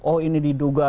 oh ini diduga